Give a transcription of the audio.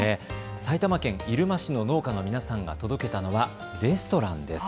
埼玉県入間市の農家の皆さんが届けたのはレストランです。